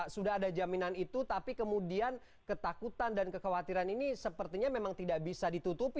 sudah ada jaminan itu tapi kemudian ketakutan dan kekhawatiran ini sepertinya memang tidak bisa ditutupi